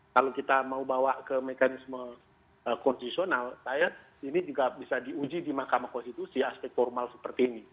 kalau kita mau bawa ke mekanisme konstitusional saya ini juga bisa diuji di mahkamah konstitusi aspek formal seperti ini